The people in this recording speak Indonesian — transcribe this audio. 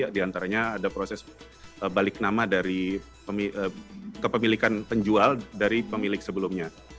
di antaranya ada proses balik nama dari kepemilikan penjual dari pemilik sebelumnya